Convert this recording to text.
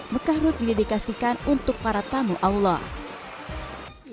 mekah route didedikasikan untuk para tamu awal